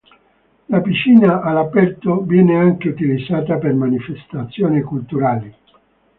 La piscina all'aperto viene anche utilizzata per manifestazioni culturali.